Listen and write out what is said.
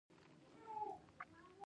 دا پاچاهي د خدای په پزل جای په جای ده.